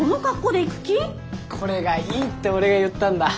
これがいいって俺が言ったんだ。